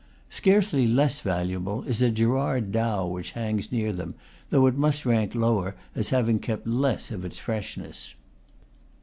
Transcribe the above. Scarcely less valuable is a Gerard Dow which hangs near them, though it must rank lower as having kept less of its freshness.